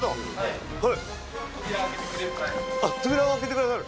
扉を開けてくださる？